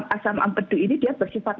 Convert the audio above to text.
asam ampedu ini dia bersifat